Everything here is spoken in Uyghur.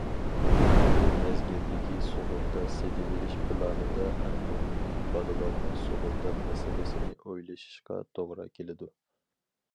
بۇ مەزگىلدىكى سۇغۇرتا سېتىۋېلىش پىلانىدا ئەڭ مۇھىمى بالىلارنىڭ سۇغۇرتا مەسىلىسىنى ئويلىشىشقا توغرا كېلىدۇ.